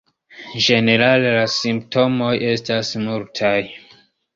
Ĝenerale la simptomoj estas multaj.